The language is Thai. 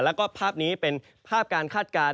แล้วก็ภาพนี้เป็นภาพการคาดการณ์